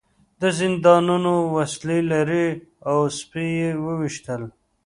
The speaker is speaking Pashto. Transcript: زندانیانو وسلې لرلې او سپي یې وویشتل